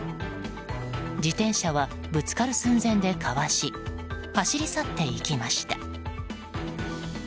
自転車は、ぶつかる寸前でかわし走り去っていきました。